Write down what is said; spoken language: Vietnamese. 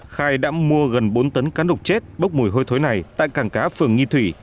khai đã mua gần bốn tấn cá đục chết bốc mùi hôi thối này tại cảng cá phường nghi thủy